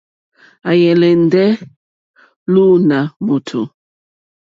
À álèndé lùùná mòtò.